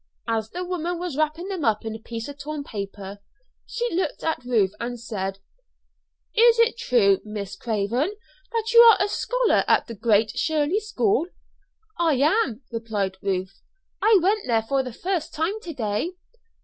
As the woman was wrapping them up in a piece of torn newspaper, she looked at Ruth and said: "Is it true, Miss Craven, that you are a scholar at the Great Shirley School?" "I am," replied Ruth. "I went there for the first time to day."